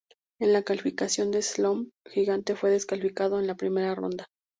En la calificación de slalom gigante fue descalificado en la primera ronda.